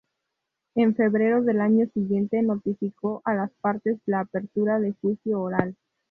En febrero del año siguiente notificó a las partes la apertura de juicio oral.